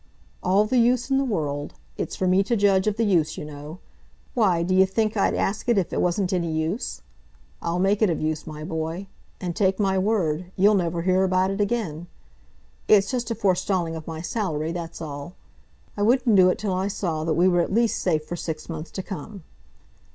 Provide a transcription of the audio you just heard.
"All the use in the world. It's for me to judge of the use, you know. Why, d'ye think I'd ask it if it wasn't any use? I'll make it of use, my boy. And take my word, you'll never hear about it again. It's just a forestalling of my salary; that's all. I wouldn't do it till I saw that we were at least safe for six months to come."